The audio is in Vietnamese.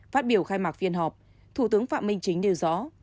phát biểu khai mạc phiên họp thủ tướng phạm minh chính nêu rõ